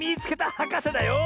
はかせだよ。